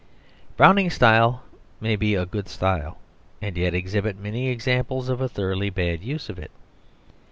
Browning's style may be a good style, and yet exhibit many examples of a thoroughly bad use of it.